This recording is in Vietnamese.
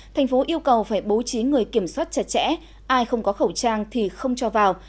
thành phố yêu cầu phải bố trí người kiểm soát chặt chẽ ai không có khẩu trang thì không cho vào